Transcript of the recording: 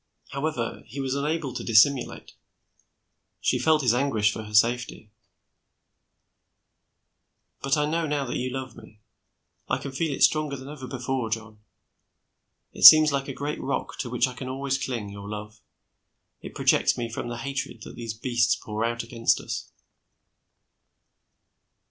However, he was unable to dissimulate. She felt his anguish for her safety. "But I know now that you love me. I can feel it stronger than ever before, John. It seems like a great rock to which I can always cling, your love. It projects me from the hatred that these beasts pour out against us."